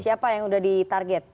siapa yang sudah di target